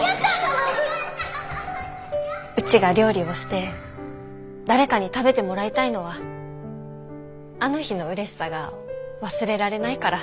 うちが料理をして誰かに食べてもらいたいのはあの日のうれしさが忘れられないから。